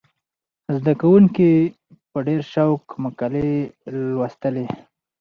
زده کوونکي په ډېر شوق مقالې لوستلې.